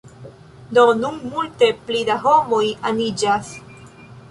Do nun multe pli da homoj aniĝas